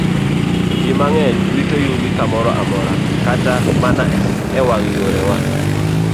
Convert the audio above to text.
Ji mang'eny wito yugi kamoro amora, kata mana e wang' yorewa.